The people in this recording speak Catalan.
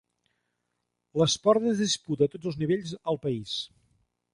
L'esport es disputa a tots els nivells al país.